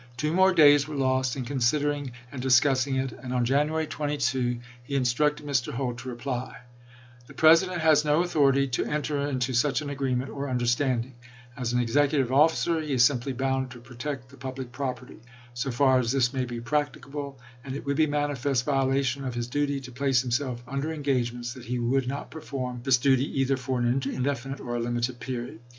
Two more days were lost in considering and discuss i86i. ing it, and on January 22 he instructed Mr. Holt to reply :" The President has no authority to enter into such an agreement or understanding; as an executive officer he is simply bound to pro tect the public property, so far as this may be prac ticable, and it would be a manifest violation of his duty to place himself under engagements that he would not perform this duty either for an indefinite or a limited period.